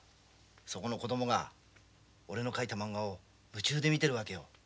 そこの子どもが俺の描いたまんがを夢中で見てるわけよ。